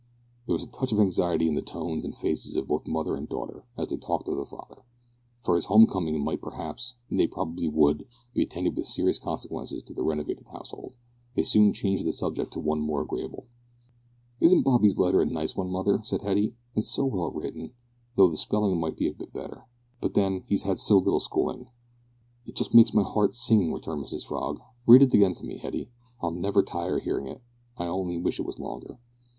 There was a touch of anxiety in the tones and faces of both mother and daughter as they talked of the father, for his home coming might, perhaps, nay probably would, be attended with serious consequences to the renovated household. They soon changed the subject to one more agreeable. "Isn't Bobby's letter a nice one, mother?" said Hetty, "and so well written, though the spellin' might have been better; but then he's had so little schoolin'." "It just makes my heart sing," returned Mrs Frog. "Read it again to me, Hetty. I'll never tire o' hearin' it. I only wish it was longer."